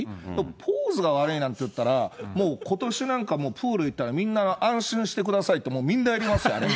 ポーズが悪いなんて言ったら、もう、ことしなんか、プール行ったら、みんな安心してくださいって、みんなやりますよ、あれ。